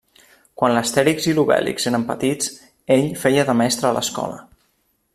Quan l'Astèrix i l'Obèlix eren petits, ell feia de mestre a l'escola.